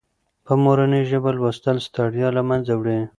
په مورنۍ ژبه لوستل ستړیا له منځه وړي.